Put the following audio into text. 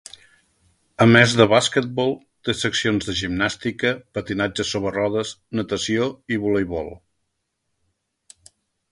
A més de basquetbol té seccions de gimnàstica, patinatge sobre rodes, natació i voleibol.